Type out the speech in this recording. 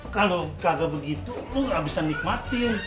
kalau kagak begitu lu gak bisa nikmatin